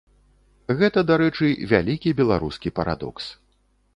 Гэта, дарэчы, вялікі беларускі парадокс.